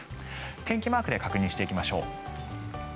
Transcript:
天気マークで確認していきましょう。